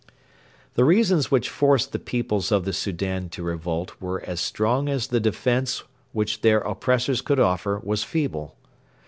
The reasons which forced the peoples of the Soudan to revolt were as strong as the defence which their oppressors could offer was feeble.